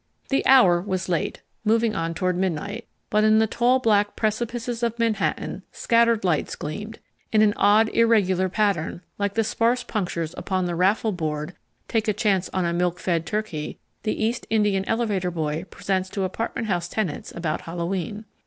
The hour was late moving on toward midnight but in the tall black precipices of Manhattan scattered lights gleamed, in an odd, irregular pattern like the sparse punctures on the raffle board "take a chance on a Milk Fed Turkey" the East Indian elevator boy presents to apartment house tenants about Hallowe'en.